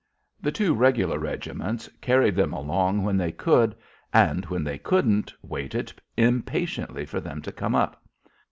The two regular regiments carried them along when they could, and when they couldn't waited impatiently for them to come up.